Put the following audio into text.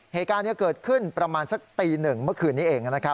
เหตุการณ์นี้เกิดขึ้นประมาณสักตีหนึ่งเมื่อคืนนี้เอง